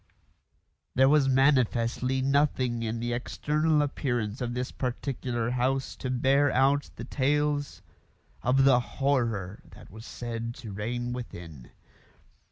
There was manifestly nothing in the external appearance of this particular house to bear out the tales of the horror that was said to reign within.